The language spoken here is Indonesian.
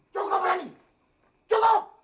cukup rani cukup